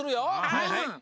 はいはい。